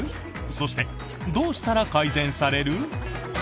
そして、どうしたら改善される？